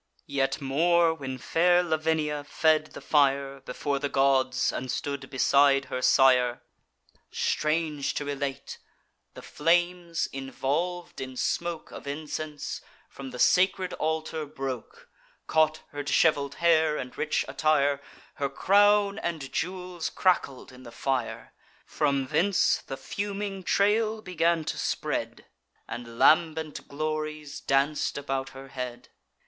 Yet more, when fair Lavinia fed the fire Before the gods, and stood beside her sire, Strange to relate, the flames, involv'd in smoke Of incense, from the sacred altar broke, Caught her dishevel'd hair and rich attire; Her crown and jewels crackled in the fire: From thence the fuming trail began to spread And lambent glories danc'd about her head.